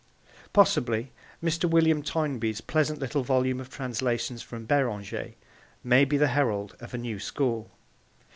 Possibly, Mr. William Toynbee's pleasant little volume of translations from Beranger may be the herald of a new school.